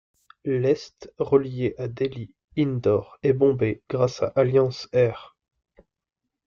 L' est relié à Delhi, Indore et Bombay grâce à Alliance Air.